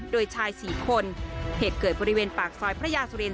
ด้วยชายสี่คนเหตุเกิดบริเวณปากซอยพระยาสารเรน